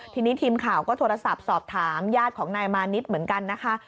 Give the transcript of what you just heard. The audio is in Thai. ทีนี้ทีมข่าวก็โทรศัพท์สอบถามญาติของนายมานิดเหมือนกันนะคะ